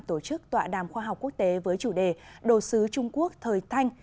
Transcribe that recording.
tổ chức tọa đàm khoa học quốc tế với chủ đề đồ sứ trung quốc thời thanh